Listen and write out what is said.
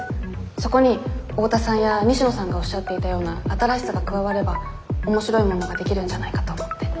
そこに大田さんや西野さんがおっしゃっていたような「新しさ」が加われば面白いものができるんじゃないかと思って。